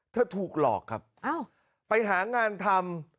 ถูกหลอกครับไปหางานทำ